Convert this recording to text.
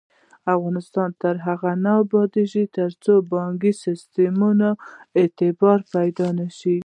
افغانستان تر هغو نه ابادیږي، ترڅو د بانکي سیستم اعتبار پیدا نشي.